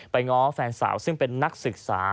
ง้อแฟนสาวซึ่งเป็นนักศึกษา